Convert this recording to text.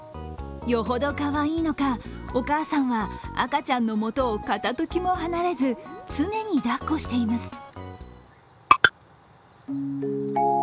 よほどかわいいのか、お母さんは赤ちゃんのもとを片時も離れず、常に抱っこしています。